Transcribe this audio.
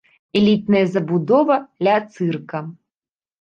Элітная забудова ля цырка.